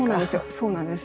そうなんです。